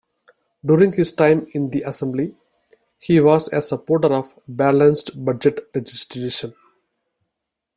During his time in the assembly, he was a supporter of balanced-budget legislation.